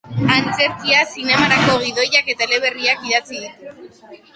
Antzerkia, zinemarako gidoiak eta eleberriak idatzi ditu.